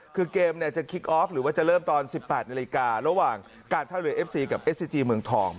คือเกมเนี่ยจะคิกออฟหรือว่าจะเริ่มตอน๑๘นาฬิการะหว่างการท่าเรือเอฟซีกับเอสซีจีเมืองทอง